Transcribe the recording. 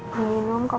begini aja enak sekali